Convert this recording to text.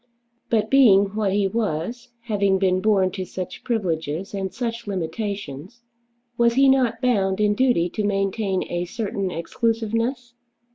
But being what he was, having been born to such privileges and such limitations, was he not bound in duty to maintain a certain exclusiveness?